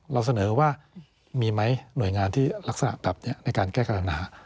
เราเสนอว่ามีไหมหน่วยงานที่ลักษณะแบบนี้ในการแก้กรณา